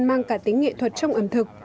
mang cả tính nghệ thuật trong ẩm thực